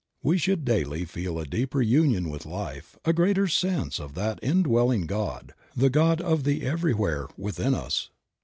We should daily feel a deeper union with Life, a greater sense of that indwelling God, the God of the everywhere, within us.